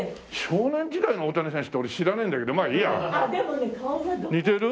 少年時代の大谷選手って俺知らないんだけどまあいいや。似てる？